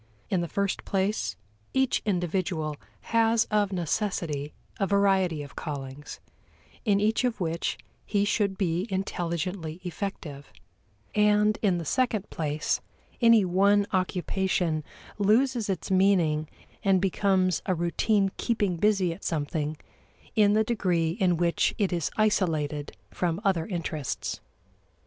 In the first place, each individual has of necessity a variety of callings, in each of which he should be intelligently effective; and in the second place any one occupation loses its meaning and becomes a routine keeping busy at something in the degree in which it is isolated from other interests.